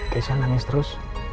keisha nangis terus